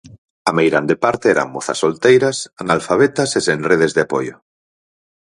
A meirande parte eran mozas solteiras, analfabetas e sen redes de apoio.